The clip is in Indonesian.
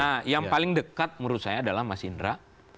nah yang paling dekat menurut saya adalah mas indra